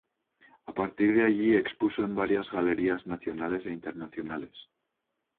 A partir de allí expuso en varias galerías nacionales e internacionales.